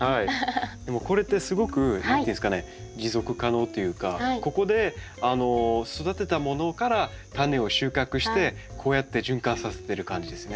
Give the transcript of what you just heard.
でもこれってすごく何ていうんですかね持続可能というかここで育てたものからタネを収穫してこうやって循環させてる感じですね。